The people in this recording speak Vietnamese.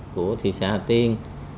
của thị xã hà tiên